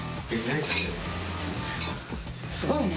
すごいね。